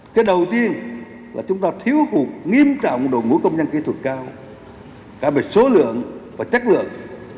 cái đầu tiên là chúng ta thiếu cuộc nghiêm trọng đội ngũ công nhân kỹ thuật cao cả về số lượng và chất lượng